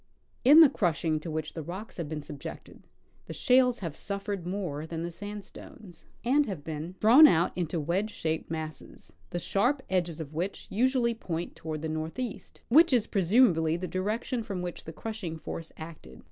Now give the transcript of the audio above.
In the crushing to Avhich the rocks have been subjected the shales have suffered more than the sandstones, and have been draAvn out into Avedge shaped masses, the sharp edges of Avhich usually point toAvard the northeast, Avhich is presumably the direction from Avhich the crushing force acted.